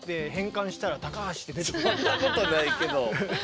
そんなことないけど。